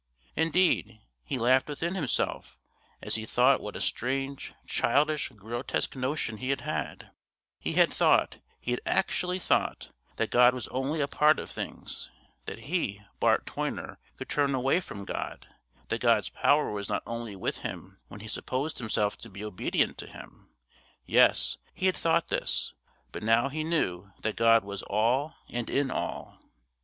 Indeed, he laughed within himself as he thought what a strange, childish, grotesque notion he had had, he had thought, he had actually thought, that God was only a part of things; that he, Bart Toyner, could turn away from God; that God's power was only with him when he supposed himself to be obedient to Him! Yes, he had thought this; but now he knew that God was all and in all.